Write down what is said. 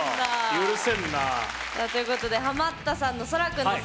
許せんな。ということでハマったさんの、そら君です。